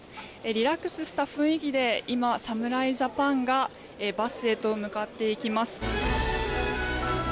リラックスした雰囲気で今、侍ジャパンがバスへと向かっていきます。